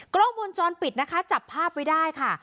กล้องวงจรปิดนะคะจับภาพไว้ได้ค่ะ